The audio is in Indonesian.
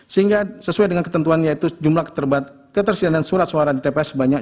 sehingga sesuai dengan ketentuan yaitu jumlah keterbatan dan surat suara di tps sebanyak dua ratus sembilan belas